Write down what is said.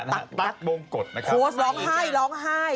ตักวงกฎนะครับโหสร้องไห้